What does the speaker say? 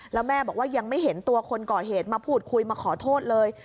แล้วแม่บอกว่ายังไม่เห็นตัวคนก่อเหตุมาพูดคุยมาขอโทษเลย